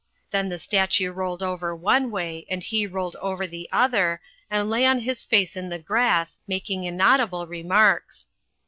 Then the statue rolled over one way and he rolled over the other, and lay on his face in the grass, making inaudible remarks.